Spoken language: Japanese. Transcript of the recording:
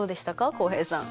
浩平さん。